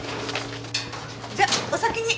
じゃあお先に！